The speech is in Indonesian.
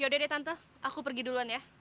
yaudah deh tante aku pergi duluan ya